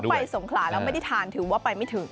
ถ้าเกิดว่าไปสมขลาด้วยแล้วไม่ได้ทานถือว่าไปไม่ถึง